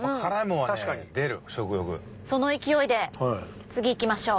その勢いで次行きましょう！